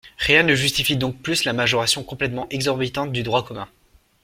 Rien ne justifie donc plus la majoration complètement exorbitante du droit commun.